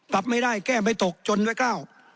ปรับไม่ได้แก้ไม่ตกจนไว้ก้าว